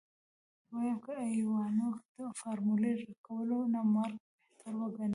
ويم که ايوانوف د فارمولې راکولو نه مرګ بهتر وګڼي.